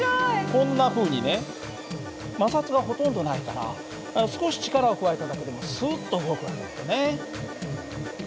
こんなふうにね摩擦がほとんどないから少し力を加えただけでもスッと動く訳だよね。